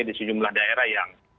di sejumlah daerah yang